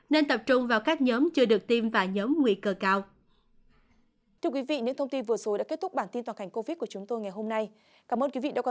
nên tập trung vào các nhóm chưa được tiêm vào nhóm nguy cơ cao